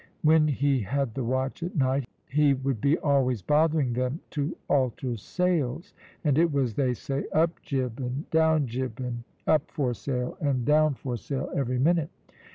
When he had the watch at night he would be always bothering them to alter sails, and it was, they say, `Up jib,' and `Down jib,' and `Up foresail' and `Down foresail' every minute.